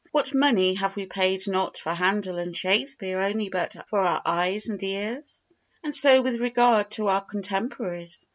What money have we paid not for Handel and Shakespeare only but for our eyes and ears? And so with regard to our contemporaries.